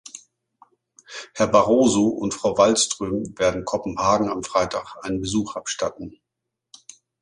Herr Barroso und Frau Wallström werden Kopenhagen am Freitag einen Besuch abstatten.